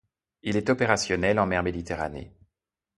Il est opérationnel en mer Méditerranée.